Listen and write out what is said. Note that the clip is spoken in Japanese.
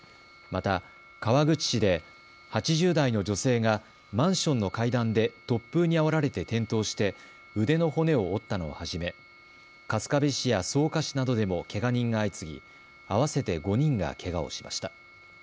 また川口市で８０代の女性がマンションの階段で突風にあおられて転倒して腕の骨を折ったのをはじめ春日部市や草加市などでもけが人が相次ぎ合わせて５人がけがをしました。